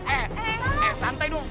eh eh santai dong